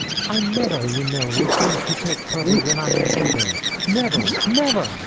I never, you know, refuse to take trouble when I am able never never.'